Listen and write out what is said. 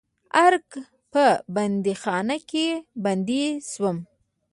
ارګ په بندیخانه کې بندي شوم.